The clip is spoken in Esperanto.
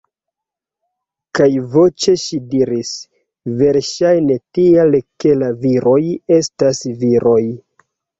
Kaj voĉe ŝi diris: -- Verŝajne tial, ke la viroj estas viroj.